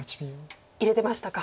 入れてましたか。